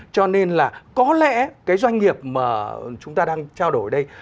cho nên là có lẽ cái doanh nghiệp mà chúng ta đang trao đổi ở đây